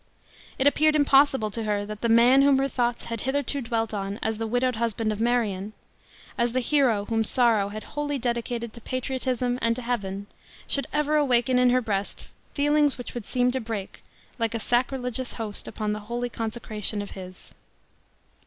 It appeared impossible to her that the man whom her thoughts had hitherto dwelt on as the widowed husband of Marion, as the hero whom sorrow had wholly dedicated to patriotism and to Heaven, should ever awaken in her breast feelings which would seem to break like a sacrilegious host upon the holy consecration of his.